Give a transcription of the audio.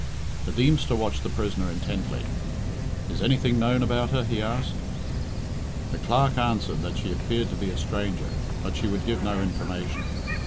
The Deemster watched the prisoner intently. "Is anything known about her?" he asked. The clerk answered that she appeared to be a stranger, but she would give no information.